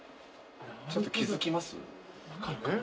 ちょっと気付きます？